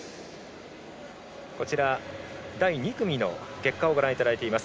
こちら、第２組の結果をご覧いただいています。